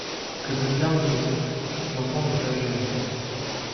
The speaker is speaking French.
Que devient mon neveu? l’enfant n’est pas gênant.